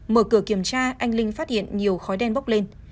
mở cửa kiểm tra anh linh phát hiện nhiều khói đen bốc lên